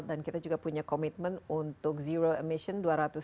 dan kita juga punya komitmen untuk zero emission dua ribu lima puluh